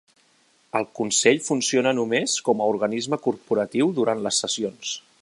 El consell funciona només com a organisme corporatiu durant les sessions.